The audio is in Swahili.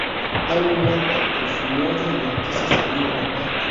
Tangu mwaka elfu moja mia tisa sabini na tatu